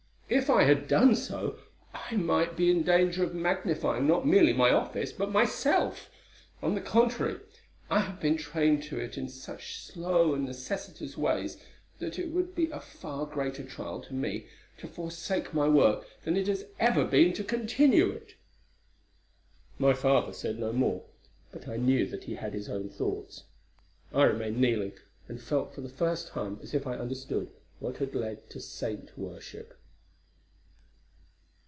If I had done so, I might be in danger of magnifying not merely my office but myself. On the contrary, I have been trained to it in such slow and necessitous ways, that it would be a far greater trial to me to forsake my work than it has ever been to continue it." My father said no more, but I knew he had his own thoughts. I remained kneeling, and felt for the first time as if I understood what had led to saint worship.